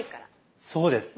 そうです